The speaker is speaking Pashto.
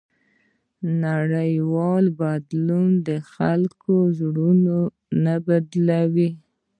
نړیوال بدلون د خلکو زړونه نه بدلوي.